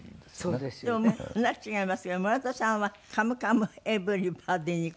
でも話違いますけど村田さんは『カムカムエヴリバディ』に。